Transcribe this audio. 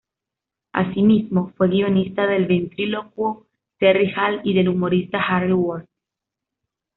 Así mismo, fue guionista del ventrílocuo Terry Hall y del humorista Harry Worth.